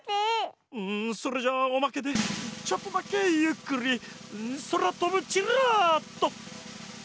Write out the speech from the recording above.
んそれじゃあおまけでちょっとだけゆっくりそらとぶチラッと！